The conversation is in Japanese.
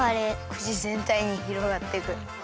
くちぜんたいにひろがっていく。